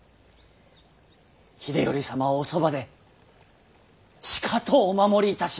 秀頼様をおそばでしかとお守りいたします。